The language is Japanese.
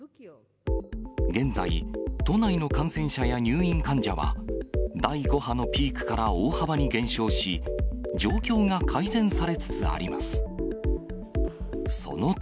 現在、都内の感染者や入院患者は、第５波のピークから大幅に減少し、状況が改善されつつあります。